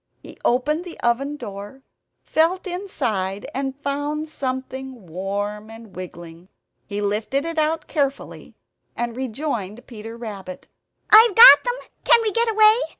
He opened the oven door, felt inside, and found something warm and wriggling. He lifted it out carefully, and rejoined Peter Rabbit. "I've got them! Can we get away?